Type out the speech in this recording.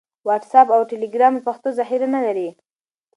واټس اپ او ټیلیګرام پښتو ذخیره نه لري.